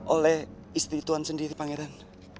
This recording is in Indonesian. oleh istri tuhan sendiri pangeran